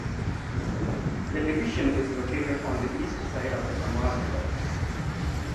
The division is located on the East side of the Tamar River.